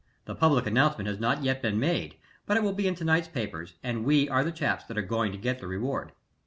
The public announcement has not yet been made, but it will be in to night's papers, and we are the chaps that are going to get the reward."